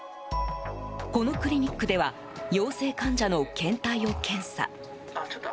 このクリニックでは陽性患者の検体を検査。